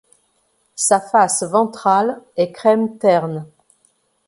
Sa face ventrale est crème terne.